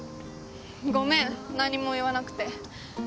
ごめん何も言わなくて。